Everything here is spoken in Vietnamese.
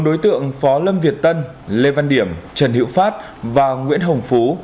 bốn đối tượng phó lâm việt tân lê văn điểm trần hiệu phát và nguyễn hồng phú